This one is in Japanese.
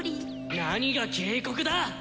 何が警告だ！